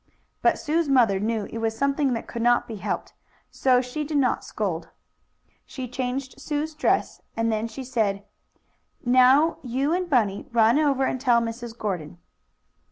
But Sue's mother knew it was something that could not be helped, so she did not scold. She changed Sue's dress, and then she said: "Now you and Bunny run over and tell Mrs. Gordon."